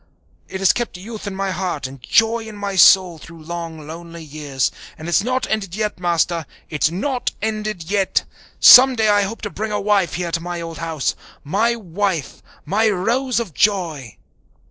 It has kept youth in my heart and joy in my soul through long, lonely years. And it's not ended yet, Master it's not ended yet! Some day I hope to bring a wife here to my old house my wife, my rose of joy!"